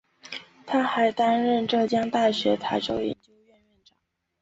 他还担任浙江大学台州研究院院长。